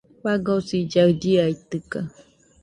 Fagosillaɨ chiaitɨkue.